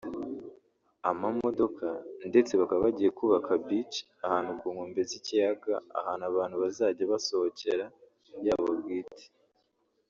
amamodoka ndetse bakaba bagiye kubaka beach(ahantu ku nkombe z’ikiyaga ahantu abantu bazajya basohokera) yabo bwite